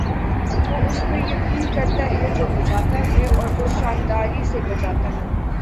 وہ اس پر یقین کرتا ہے جو بجاتا ہے اور وہ شانداری سے بجاتا ہے